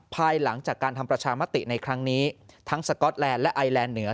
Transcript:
ภายหลังจากการทำประชามติในครั้งนี้ทั้งสก๊อตแลนด์และไอแลนด์เหนือ